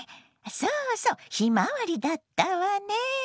そうそう「ひまわり」だったわね。